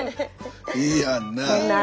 いいやんなあ。